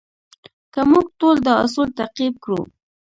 که موږ ټول دا اصول تعقیب کړو.